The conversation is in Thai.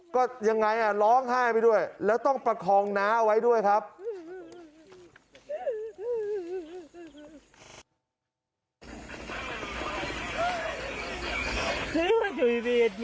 ก็ยังไงร้องไห้ไปด้วยแล้วต้องประคองน้าเอาไว้ด้วยครับ